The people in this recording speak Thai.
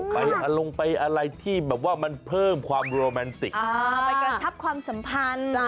ลงไปอะไรที่แบบว่ามันเพิ่มความโรแมนติกเอาไปกระชับความสัมพันธ์